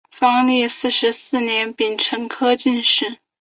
万历四十四年丙辰科进士。